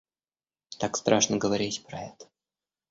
Так страшно говорить про это.